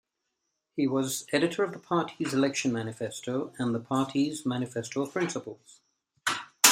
He was editor of the party's election manifesto and the party's manifesto of principals.